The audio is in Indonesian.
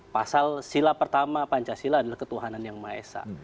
pasal sila pertama pancasila adalah ketuhanan yang maesah